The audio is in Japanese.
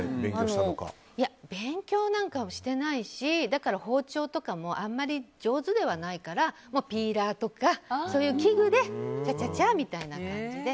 勉強はしてないし包丁とかもあまり上手じゃないからピーラーとか器具でチャチャチャみたいな感じで。